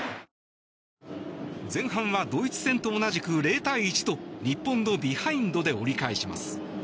前半はドイツ戦と同じく０対１と日本のビハインドで折り返します。